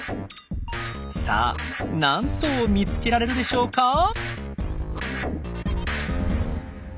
さあ何頭見つけられるでしょうか？